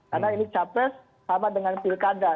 karena ini capres sama dengan pilkada